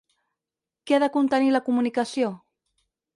Què ha de contenir la Comunicació?